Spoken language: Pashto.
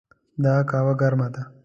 دا قهوه ګرمه ده.